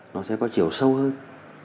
nó sẽ có chiều sâu hơn